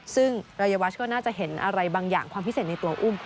ซึ่งรายวัชก็น่าจะเห็นอะไรบางอย่างความพิเศษในตัวอุ้ม